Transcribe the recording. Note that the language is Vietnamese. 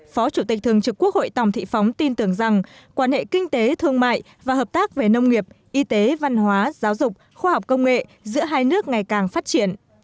phó chủ tịch thường trực quốc hội tòng thị phóng tin tưởng rằng quan hệ kinh tế thương mại và hợp tác về nông nghiệp y tế văn hóa giáo dục khoa học công nghệ giữa hai nước ngày càng phát triển